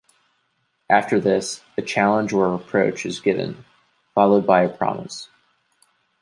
After this, a challenge or reproach is given, followed by a promise.